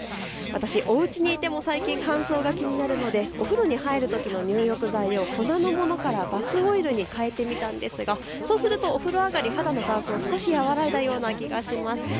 私、家にいても最近、乾燥が気になるのでお風呂に入るときの入浴剤を粉のものからこそバスオイルに変えてみたんですが、そうするとお風呂上がり、肌の乾燥が少し和らいだような気がします。